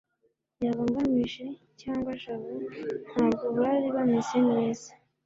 yaba ngamije cyangwa jabo, ntabwo bari bameze neza